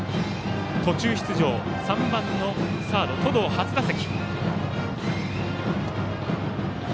途中出場３番のサード、登藤は初打席。